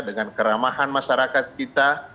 dengan keramahan masyarakat kita